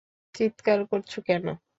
চিৎকার করছ কেন?